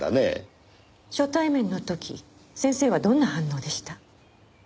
初対面の時先生はどんな反応でした？